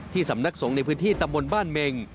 สำนักสงฆ์ในพื้นที่ตำบลบ้านเมง